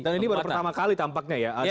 dan ini baru pertama kali tampaknya ya